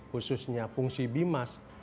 khususnya fungsi bimas